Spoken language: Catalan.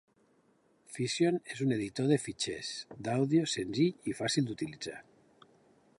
Fission és un editor de fitxers d'àudio senzill i fàcil d'utilitzar.